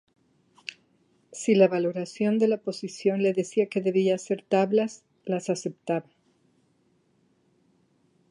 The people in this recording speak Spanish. Si la valoración de la posición le decía que debía ser tablas, las aceptaba.